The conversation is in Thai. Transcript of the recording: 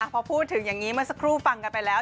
พอพูดถึงอย่างนี้เมื่อสักครู่ฟังกันไปแล้ว